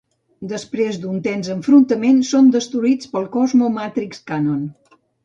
Després d'un tens enfrontament, són destruïts pel Cosmo Matrix Cannon.